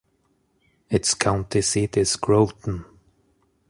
Its county seat is Groveton.